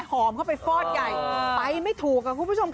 หอมเข้าไปฟอดใหญ่ไปไม่ถูกค่ะคุณผู้ชมค่ะ